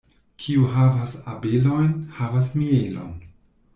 Kiu havas abelojn, havas mielon.